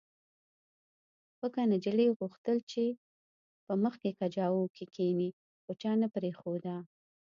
پکه نجلۍ غوښتل چې په مخکې کجاوو کې کښېني خو چا نه پرېښوده